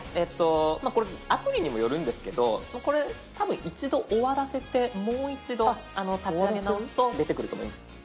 アプリにもよるんですけどこれ多分一度終わらせてもう一度立ち上げ直すと出てくると思います。